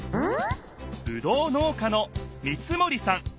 ぶどう農家の三森さん。